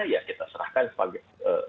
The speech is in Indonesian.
ya kita serahkan sebagai